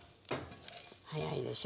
早いでしょ？